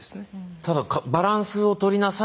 ただバランスを取りなさい。